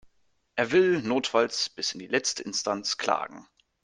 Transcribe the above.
Er will notfalls bis in die letzte Instanz klagen.